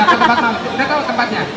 oh tempat mama ya